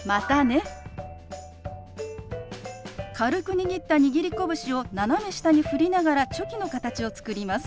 軽く握った握り拳を斜め下に振りながらチョキの形を作ります。